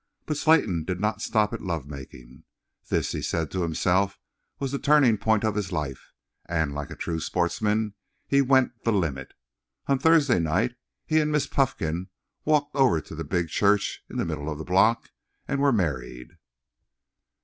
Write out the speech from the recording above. But Slayton did not stop at love making. This, he said to himself, was the turning point of his life; and, like a true sportsman, he "went the limit." On Thursday night he and Miss Puffkin walked over to the Big Church in the Middle of the Block and were married.